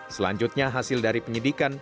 selanjutnya hasil dari penyidikan